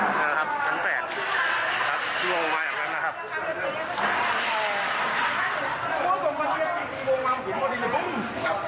นั่นแหละครับชั้น๘ครับร่วงลงมาอย่างนั้นนะครับ